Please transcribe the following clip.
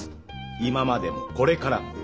今までもこれからも。